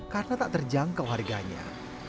karena tak terjangkau harganya